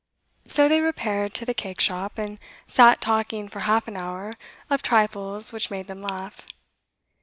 So they repaired to the cake shop, and sat talking for half an hour of trifles which made them laugh.